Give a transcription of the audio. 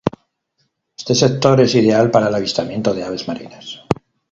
Ese sector es ideal para el avistamiento de aves marinas.